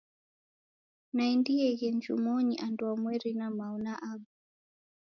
Naendieghe njumonyi andwamweri na mao na aba.